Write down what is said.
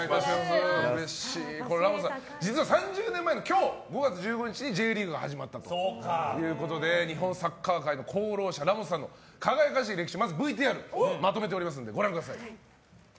ラモスさん、実は３０年前の今日５月１５日にＪリーグが始まったということで日本サッカー界の功労者ラモスさんの輝かしい歴史ＶＴＲにまとめてますのでご覧ください。